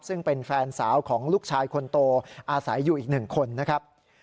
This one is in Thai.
ซึ่งเป็นแฟนสาวของลูกชายคนโตอาศัยอยู่อีก๑คนนะครับ